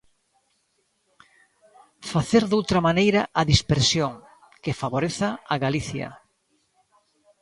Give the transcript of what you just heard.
¿Facer doutra maneira a dispersión, que favoreza a Galicia?